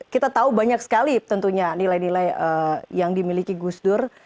kita tahu banyak sekali tentunya nilai nilai yang dimiliki gus dur